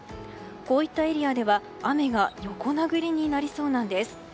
こういったエリアでは雨が横殴りになりそうなんです。